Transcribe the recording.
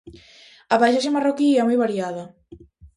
A paisaxe marroquí é moi variada.